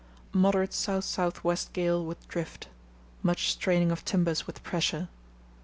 —Moderate south south west gale with drift. Much straining of timbers with pressure.